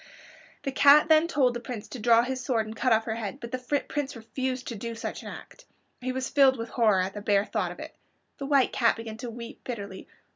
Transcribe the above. The cat then told the Prince to draw his sword and cut off her head, but the Prince refused to do such an act. He was filled with horror at the bare thought of it. The White Cat began to weep bitterly.